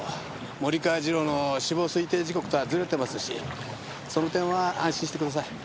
森川次郎の死亡推定時刻とはずれてますしその点は安心してください。